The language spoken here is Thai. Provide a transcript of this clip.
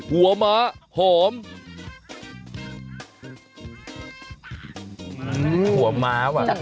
หัวม้าว่ะจัดหัวม้าซะหน่อย